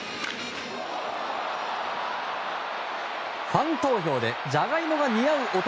ファン投票でじゃがいもが似合う男